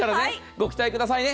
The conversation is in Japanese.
ご期待くださいね。